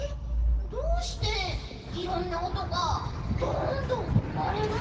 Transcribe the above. どうしていろんなおとがどんどんうまれるんだろう？